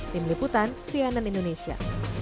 tim liputan cnn indonesia